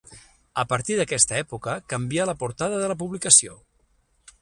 A partir d'aquesta època canvia la portada de la publicació.